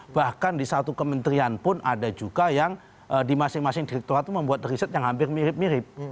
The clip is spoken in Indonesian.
bahkan di satu kementerian pun ada juga yang di masing masing direkturat itu membuat riset yang hampir mirip mirip